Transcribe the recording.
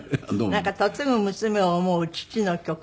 なんか嫁ぐ娘を思う父の曲で。